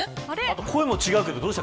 声も違うけど、どうした。